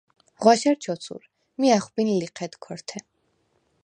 ღვაშა̈რ ჩოცურ, მი ა̈ხვბინ ლიჴედ ქორთე.